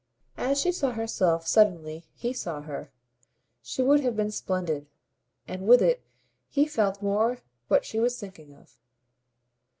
As she saw herself, suddenly, he saw her she would have been splendid; and with it he felt more what she was thinking of.